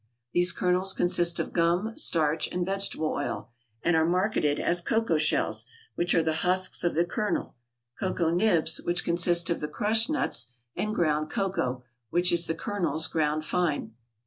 These kernels consist of gum, starch, and vegetable oil; and are marketed as cocoa shells, which are the husks of the kernel; cocoa nibs, which consist of the crushed nuts; and ground cocoa, which is the kernels ground fine.